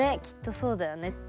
きっとそうだよね。